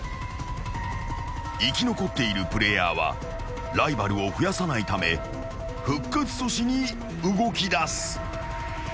［生き残っているプレイヤーはライバルを増やさないため復活阻止に動きだす］